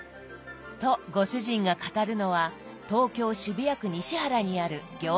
とご主人が語るのは東京・渋谷区西原にある餃子専門店。